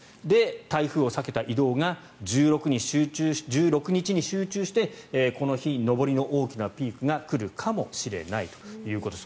台風を避けた移動が１６日に集中してこの日、上りの大きなピークが来るかもしれないということです。